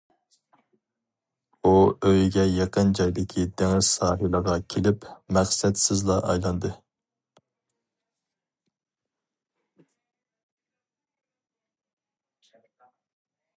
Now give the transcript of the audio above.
ئۇ ئۆيىگە يېقىن جايدىكى دېڭىز ساھىلىغا كېلىپ مەقسەتسىزلا ئايلاندى.